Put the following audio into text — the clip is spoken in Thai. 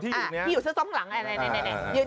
ที่อยู่เสื้อส้มข้างหลัง